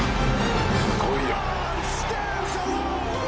すごいよ」